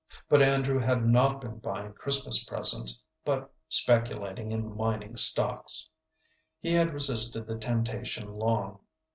But Andrew had not been buying Christmas presents, but speculating in mining stocks. He had resisted the temptation long.